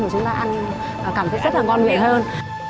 và chúng ta ăn cảm thấy rất là ngon vị hơn